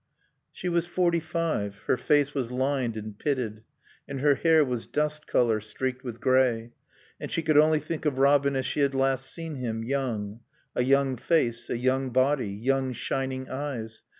She was forty five, her face was lined and pitted and her hair was dust color, streaked with gray: and she could only think of Robin as she had last seen him, young: a young face; a young body; young, shining eyes.